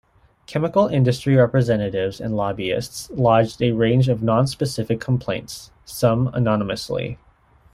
Chemical industry representatives and lobbyists lodged a range of non-specific complaints, some anonymously.